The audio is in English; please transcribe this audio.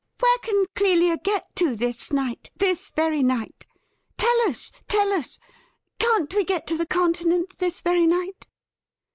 Where can Clelia get to this night — ^this very night ? Tell us — ^tell us. Can't we get to the Continent this very night